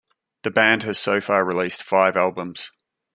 The band has so far released five albums.